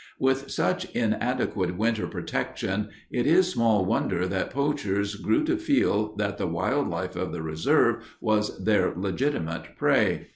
With such inadequate winter protection, it is small wonder that poachers grew to feel that the wild life of the reserve was their legitimate prey.